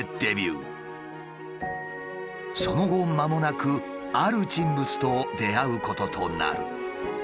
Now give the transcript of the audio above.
その後まもなくある人物と出会うこととなる。